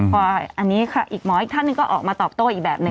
พออันนี้ค่ะอีกหมออีกท่านหนึ่งก็ออกมาตอบโต้อีกแบบหนึ่ง